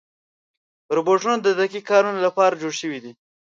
روبوټونه د دقیق کارونو لپاره جوړ شوي دي.